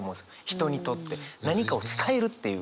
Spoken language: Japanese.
人にとって何かを伝えるっていう。